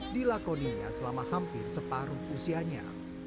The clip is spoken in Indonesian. dilakoninya selama hampir separuh usianya